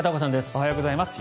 おはようございます。